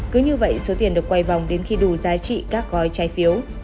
cứ như vậy số tiền được quay vòng đến khi đủ giá trị các gói trái phiếu